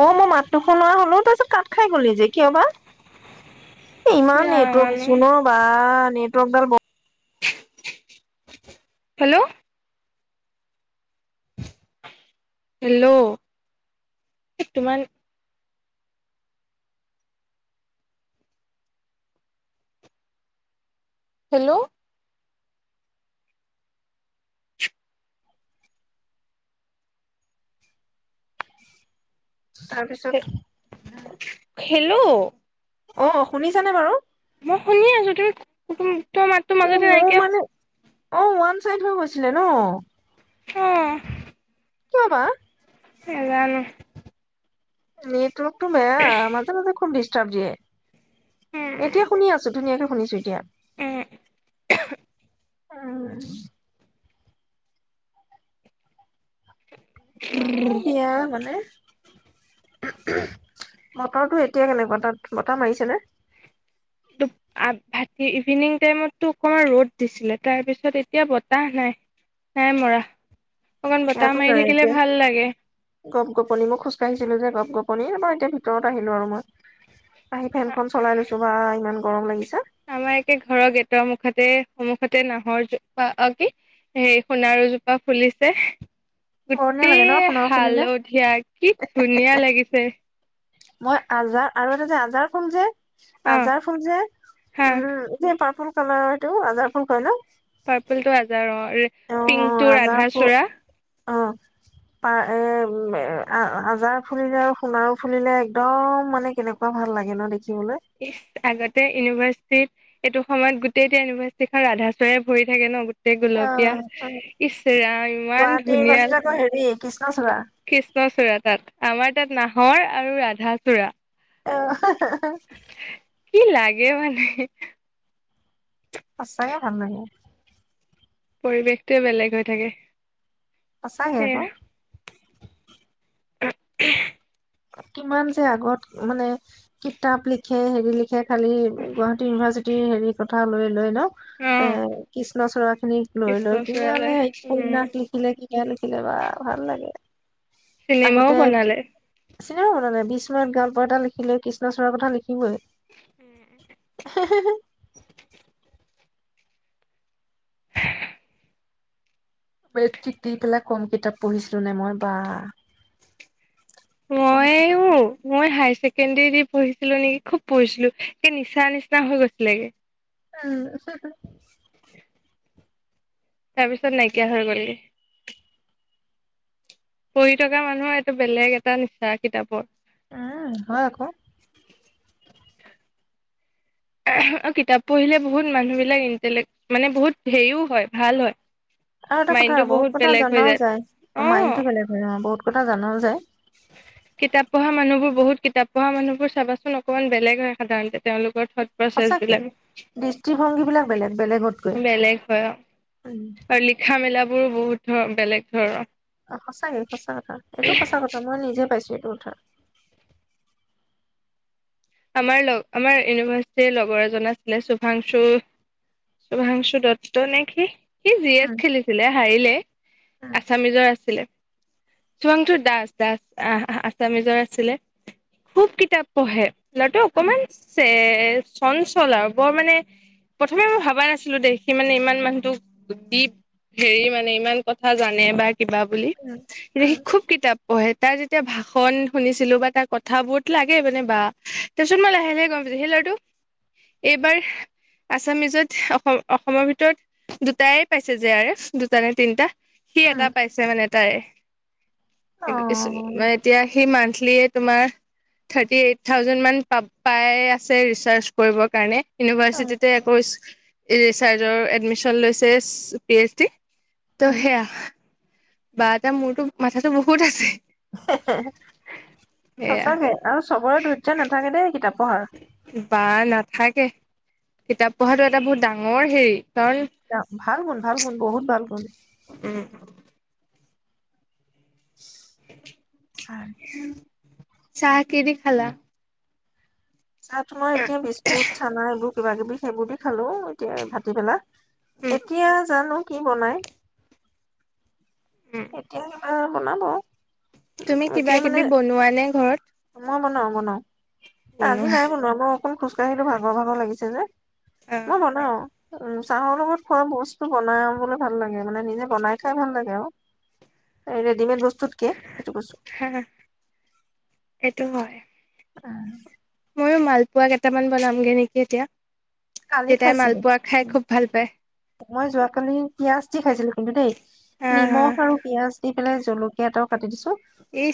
অ', মই মাতটো শুনোৱা হ'লো তাৰপিছত কাট খাই কৰিল যে কিয় বা। এ, ইমান নেটৱৰ্ক জানো আছো ন' বা নেট তন্দল ম হেল্ল'। হেল্ল' তোমাৰ হেল্ল'। তাৰ পিছত খেলো অ', শুনিছানে বাৰু? মই শুনি আছো তুমি কম। ত' মাত তো অ মাজতে মোৰ নাইকিয়া মানে অ', ওৱান চাইড হৈ গৈছিলে ন'। হুম, কিয় বা? নেজানো। নি মে মান মতে খুব দিছ চব্জিয়ে উম এতিয়া শুনি আছো ধুনীয়াকে শুনিছো এতিয়া। উম। [inaudible] অ', এয়া মানে বতৰটো এতিয়া কেনেকুৱা তাত বতাহ মাৰিছেনে? ভাট ইভিনিং টাইমতো অকমান ৰ'দ দিছিলে তাৰপিছত এতিয়া বতাহ নাই নাই মৰা। অকণ বতাহ ইয়াতো মাৰি থাকিলে নাইে ভাল লাগে গপ গপনি মই খোজকাঢ়িছিলো যে গপ গপ কণী নাপাৰ এতিয়া ভিতৰত আহিলো আৰু মই। আহি ফেনখন চলাই লৈছো বা ইমান গৰম লাগিছে। আমাৰ একে ঘৰৰ গেটৰ মুখতে সন্মুখতে নাহৰ জোপা কি হে সোণাৰু জোপা ফুলিছে গৰমীয়া লাগে গোটেই ন আপোনাৰ ফালে হালধীয়া কি ধুনীয়া লাগিছে মই আজাৰ আৰু যে আজাৰখন ফুল যে অ', আজাৰ ফুল যে হা উম এ পাৰ ফুল খ এইটো আজাৰ ফুল খ লও পাৰ্পল টো আজাৰৰ পিংকটে আজাৰ ফুল ৰাধা-চোড়া অ প এ আজাৰা ফুলিলে আৰু সোণাৰো ফুলিলে একদম মানে কেনেকুৱা ভাল লাগে ন দেখিবলৈ ই আগতে ইউনিভাৰ্চিটিত এইটো সময়ত গোটেই এতিয়া ইউনিভাৰ্চিটি খন ৰাধা-চুড়া ভৰি থাকে ন অ গুলপীয়া ইচৰাম ইমান গুৱাহাটীৰ বাছত আকৌ হেৰি ধুনীয়া কৃষ্ণচূড়া কৃষ্ণচূড়া তাত আমাৰ নাহৰ আৰু ৰাধা চুড়া আহ কি লাগে অ মানে সচাঁকে ভাল লাগে পৰিৱেশটোৱে বেলেগ হৈ থাকে সচাঁকে অক উ [unintelligible] কিমান যে আগত মানে কিতাপ লিখে হেৰি লি য়োৱা কালি গুৱাহাটী ইউনিভাৰ্চিটিৰ হেৰি কথা লৈ ন এ অ', কৃষ্ণচুড়াখিনিক লৈ লৈ কৃষ্ণচূড়ালে কিমানে উম, উপন্যাস লিখিলে কিবা লিখিলে বা ভাল লাগে চিনেমাও আগতে বনালে। নিচিনা হব মানে বিশ মিনত গল্প এটা লিখিলে কৃষ্ণচুডাৰ কথা লিখিবই উম হ মেট্ৰিক দি পেলাই কম কিতাপ পঢ়িছিলো নে মই বা বহুত কিতাপ মইয়ো পঢ়িছিলো মই হায়াৰছে ছেকেণ্ডেৰী দি পঢ়িছিলো নেকি খুব পঢ়িছিলো সে নিচা নিচিনা হৈ গৈছিলেগে উম [unintelligible] তাৰপিছত নাইকিয়া হৈ গলি পঢ়ি থকা মানুহৰ এইটো বেলেগ এটা নিচা কিতাপৰ উম হয় আকৌ কিতাপ পঢ়িলে বহুত মানুহ বিলাক ইণ্টেলেক মানে বহুত হেৰিও হয় ভাল হয় আৰু এটা কথা মাইণ্ডটো বহুত কথা বেলেগ হৈ জনাও যায় অ'। মাইন্ডটো বেলেগ হয় ন বহুত কথা জনাও যায় কিতাপ পঢ়া মানুহবোৰ কিতাপ পঢ়া মানুহবোৰ চাবাচোন অকণমান বেলেগ হয় সাধাৰণতে তেওঁলোকৰ থউট প্ৰচ্ছ সঁচাকে দৃষ্টিভংগী বিলাক বিলাক বেলেগ বেলেগতকৈ বেলেগ হয় আ উম, আৰু লিখা মেলা বোৰো বহুত ধৰ বেলেগ ধৰৰ অ, সঁচাকে সঁচা কথা এইটো সঁচা কথা মই নিজে পাইছো এইটো কথা আমাৰ লগ আমাৰ ইউনিভাৰ্চিটিৰ লগৰ এজন আছিলে শুভাংশু, শুভাংশু দত্ত নে কি। সি জি এছ উম, খেলিছিলে হাৰিলে, উম, আছামিজৰ আছিলে। [unintelligible] দাস দাস আহ আছামিজৰ আছিলে, খুব কিতাপ পঢ়ে। ল'ৰাটো উম, অকমান ছে এ চঞ্চল আৰু বৰ মানে, প্ৰথমে মই ভবা নাছিলো দে সি মানে ইমান মানুহটো দীপ, হেৰি মানে ইমান কথা জানে বা কিবা বুলি, উম, [unintelligible] সি উম, খুব কিতাপ [unintelligible] তাৰ যেতিয়া ভাষণ শুনিছিলো বা তাৰ কথাবোৰত লাগে মানে বা তাৰপিছত মই লাহে লাহে গম পাইছো সেই লৰাটো। এইবাৰ, আছামিজত অসম অসমৰ ভিতৰত দুটাই পাইছে যে আই এছ, দুটা নে তিনটা। সি উম, এটা পাইছে মানে। তাই। অ', এতিয়া সিমান তোমাৰ, থাৰ্টি এইট থাউজেণ্ড মান পা পাই আছে ৰিচাৰ্জ কৰিবৰ কাৰণে। উম, ইউনিভাৰ্চিটিতে একৈশ ৰিচাৰ্জৰ এডমিশন লৈছে, পি এইচ ডি টো উম, সেয়া বা তাৰ মোৰতো, মাথাটো বহুত আছে। সে সে, সেয়া সঁচাকে আৰু চবৰে ধৈৰ্য্য নাথাকে দেই কিতাপ পঢ়াৰ। বা নাথাকে, কিতাপ পঢ়াটো এটা বহুত ডাঙৰ হেৰি কাৰণ ভাল গুণ ভাল গুণ বহুত ভাল গুণ। উম। ছাৰ। চাহ কিহে দি খালা? চাহ তোমাৰ এতিয়া বিস্কুট, চানা এইবোৰ কিবা কিবি সেইবোৰকে খালোঁ এতিয়া ভাটি পেলা। উম এতিয়া জানো কি বনাই। উম এতিয়া অ, বনাব। উম, তুমি কিবা এতিয়া মানে কিবি বনোৱা নে মই বনাও বনাও ঘৰত? আজি নাই বনোৱা ম অকণ খোজ কাঢ়িলো ভাগৰ ভাগৰ লাগিছে যে। অ মই বনাওঁ। উম, চাহৰ লগত খোৱা বস্তু বনাবলৈ ভাল লাগে মানে নিজে বনাই খাই ভাল লাগে আৰু, এই ৰেডিমেড বস্তু হা এইটো হয় অঁ, আৰু মালপোৱা, কেইটামান বনামগে নেকি এতিয়া। কালি দেউতাই খাইছিলো মালপোৱা খাই উ খুব ভাল পায় মই যোৱাকালি পিয়াঁজ, দি খাইছিলো কিন্তু দেই হা হা নিমখ আৰু পিয়াঁজ দি পেলাই- জলকীয়া এটাও কাটি দিছো ই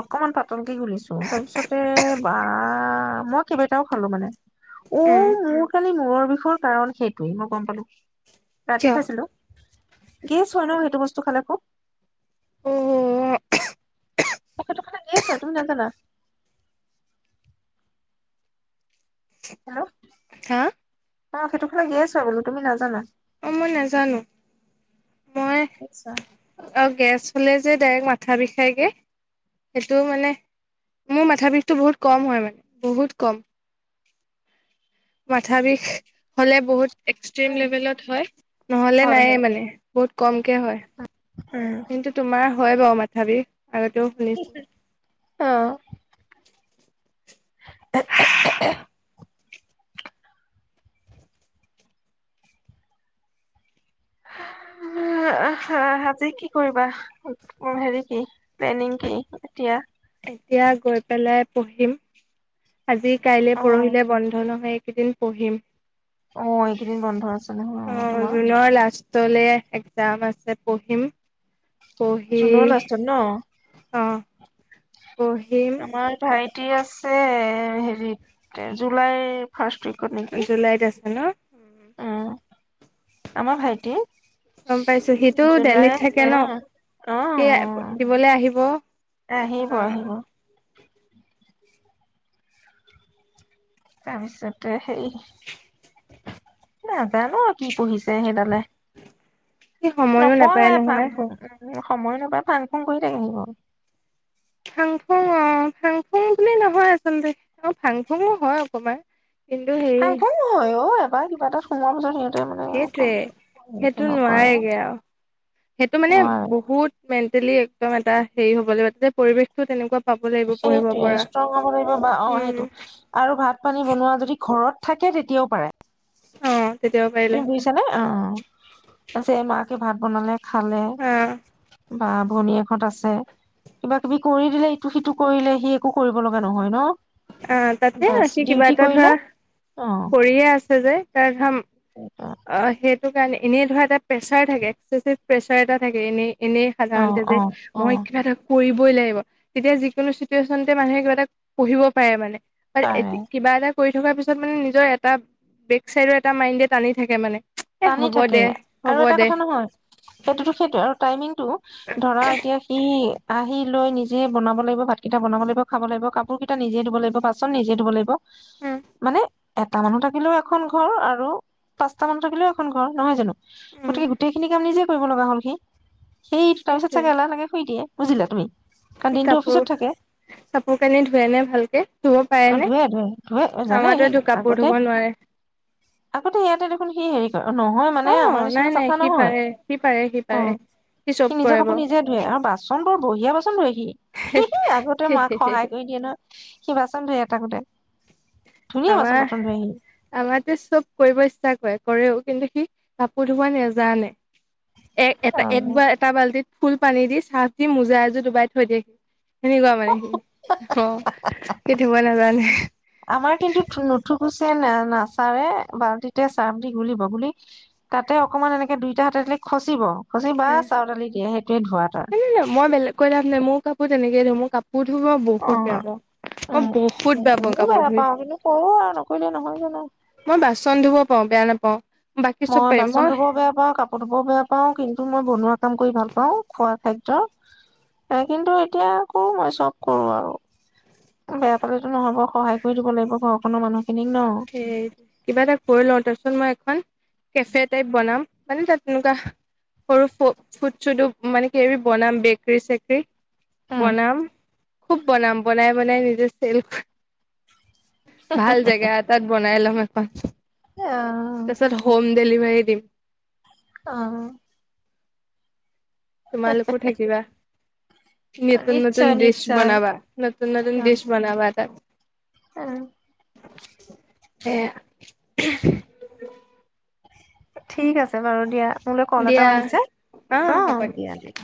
অকণমান পা- পতংকি ঘুলিছো তাৰ পিছতে বাৰ মই কেইটাও খালো মানে। অ উম খালি মূৰ বিষয়ৰ কাৰণ সেইটোৱে মই গম পালো। ৰাতি কিয় খাইছিলো। গেছ হয় ন সেইটো বস্তু খালে খুব। উম প্ৰসাদটো খালে গেছ হয়, তুমি নাজানা? হেল্ল' হা অ, সেইটো খালে গেছ হয় বুলো, তুমি নাজানা অ, মই নেজানো মই, গেছ হয়। অ গেছ ছলে যে ডাইৰেক্ট মাথা বিষাইগে, সেইটো মানে, মোৰ মাথা বিষটো বহুত কম হয় মানে, বহুত কম মাথা বিষ হলে বহুত এক্সট্ৰিম উম, লেভেলত হয় নহলে হয় নায়ে হয়। মানে বহুত কম হয় উম। কিন্তু তোমাৰ হয় বাৰু মাথা বিষ। আগতেও শুনিছোঁ। অ [inaudible] আজি কি কৰিবা, হেৰি কি, প্লেনিং কি এতিয়া? এতিয়া গৈ পেলাই পঢ়িম আজি, কাইলে, অ পৰহিলে বন্ধ নহয় এইকেইদিন পঢ়িম অ এইকেইদিন বন্ধ আছে নহয় অ', তোমাৰ জুলাইৰ লাষ্ট টলে একজাম আছে, পঢ়িম পহি জুনৰ লাষ্টত ন? অ পঢ়িম আমাৰ ভাই দি আছে হেৰিত জুলাই ফাৰ্ষ্ট উইকত নেকি। হেল্ল'? উম আমাৰ ভাইটি, গম পাইছো সিটো জুলাই দেলহিত থাকে অ ন অ সি দিবলৈ আহিব অ আহিব আহিব তাৰপিছতে সেই নাজানো কি পঢ়িছে সেইডালে সি সময়ো নাপায় নপঢ়ে নহয় ফাংফুং। সময় নাপায় ফাং ফুং কৰি থাকে। ফাং ফুং অ ফাংফুং বুলি নহয় আচলতে অ ফাংফুঙো হয় অকমান কিন্তু হেৰি ফাংফুং হয় অ বা কিবা এটা সোমোৱা পিছত মানে অকণ সেইটোৱে, সেইটো নোৱাৰেগে আৰু, সেইটো মানে নোৱাৰে বহুত মে লি একদম এটা হেৰি হ'ব লাগিব যে পৰিৱেশটো তেনেকুৱা পাব লাগিব পঢ়িব সেইটোৱে পৰা ষ্ট্ৰং হ'ব লাগিব বা অ সেইটো উম আৰু ভাত পানী বনোৱা যদি ঘৰত থাকে তেতিয়াও পাৰে অ তেতিয়াও পাৰিলে তুমি হয় বুজিছ নে অ মাক ভাত বনালে খালে অ বা ভনীয়েক। ত আছে কিবা কিবি কৰি দিলে ইটো সিটো কৰিলে সি একো কৰিব লগা নহয় ন অ তাতে আ বাছ সি কিবা ডিউটি এটা ধৰা কৰিলে অ কৰিয়ে আছে যে কাৰঘাম। অ সেইটো কাৰণে এনেই ধৰা এটা প্ৰেচাৰ থাকে একিভ প্ৰেচাৰ এটা থাকে এনেই, এনেই অ সাধাৰণতে যে অ অ মই কিবা এটা কৰিবই লাগিব। তেতিয়া যিকোনো চিটুৱেচনতে মানুহে কিবা এটা পঢ়িব পাৰে মানে। আৰু পাৰে এ কিবা এটা কৰি থকাৰ পিছত মানে নিজৰ এটা বেক চাইডৰ এটা মাইণ্ডেড টানি থাকে মানে টানি থাকে হ'ব আৰু এটা দে কথা নহয় সেইটোতো সেইটো আৰু টাইমিং। টো ধৰা এতিয়া সি আহি লৈ নিজে বনাব লাগিব ভাতকেইটা বনাব লাগিব খাব লাগিব কাপোৰ কেইটা নিজে ধুব লাগিব বাচন নিজে ধুব লাগিব উম মানে এটা মানুহ থাকিলেও এখন ঘৰ আৰু পাঁচটা মানুহ থাকিলেও, এখন ঘৰ নহয় জানো উম গতিকে গোটেই খিনি কাম নিজে কৰিব লগা হ'ল সি্ সেই তাৰপিছত চাগে সেইটোৱে এলাহ লাগে শুই দিয়ে। বুজিলা তুমি? কাৰণ সি দিনটো কাপোৰ, অফিচত থাকে কাপোৰ কানি ধোৱে নে ভালকে? ধুব পাৰে অ', নে ধুৱে ধুৱে ধুৱে এ জানে সি আমাৰটোৱেতো কাপোৰ আগতে। ধুব নোৱাৰে আগতে ইয়াতে দেখোন সি হেৰি কৰে নহয়, মানে আমাৰ অ নাই নিচিনা নাই চাফা সি নহয় পাৰে সি পাৰে সি পাৰে অ'। চব সি নিজৰ কৰে কাপোৰ বাৰু নিজে ধুৱে আৰু বাচন বঢ়িয়া বাচ চন ধুৱে সি, হি হি আগতে মাক সহায় কৰি দিয়ে নহয়। সি বাচ চন ধুৱে থাকোতে। ধুনীয়া আমাৰ, বাচন বৰ্তন ধুৱে সি। আমাৰটো চব কৰিব ইচ্ছা কৰে কৰেও। কিন্তু সি কাপোৰ ধুবো নেজানে। এক এটা অ' একবাৰ এটা বাল্টিত ফুল পানী দি চাৰ্ফ দি মোজা এজোৰ ডুবাই থৈ দিয়ে সি সেনেকুৱা মানে সি অ সি ধুৱো নাজানে আমাৰ কিন্তু থু নুথুগুছ নে নাই না ছাৰে বাল্টিতে চাৰ্ফ দি গুলিব গুলি তাতে অকমান এনেকে দুইটা হাতে দি খচিব। সজীৱ বা চাউল ঢালি দিয়ে সেইটোৱে ধোৱা তাৰ। এহ মই বেলেগ, কৈ লাভ নাই মোয়ো কাপোৰ তেনেকেই ধোওঁ মোৰ কাপোৰ কাপোৰ ধুবো বহুত বেয়া অ' পাওঁ মই উম। বহুত বেয়া পাওঁ ময়ো কাপোৰ ধুই, পাওঁ কিন্তু কৰো আৰু নকৰিলে নহয় জানো। মই বাচন ধুব অ', বেয়া নাপাও। মই বাচন ধুবোও বেয়া পাও কাপোৰ ধুবোও বেয়া পাও কিন্তু মই বনোৱা কাম কৰি ভাল পাওঁ খোৱা খাদ্য, কিন্তু এতিয়া কৰো মই চব কৰো আৰু, বেয়া পালেতো নহব। সহায় কৰি দিব লাগিব ঘৰক। কোনো মানুহ সেই কিবা এটা কৰিলোও তাৰপিছত মই হয় কেফে টাইপ বনাম। মানে তাত এনেকুৱা, সৰু ফ ফুড চুডো মানে কিবা কিবি বনাম বেকৰী চেকৰী। আহ বনাম খুব বনাম বনাই বনাই নিজে চেল কৰি ভাল জেগাত তাত বনাই লোম এখন। তাৰপিছত হোম ডেলিভাৰীত দিম। অহ। তোমালোকো থাকিবা নতুন নতুন নিশ্চয় দেচ নিশ্চয় বনাৱা, নতুন নতুন অ দেচ বনাৱা তাত। অ সেয়া ঠিক আছে বাৰু দিয়া মোলৈ কল দিয়া এটাও আহিছে, অ' দিয়া দিয়া।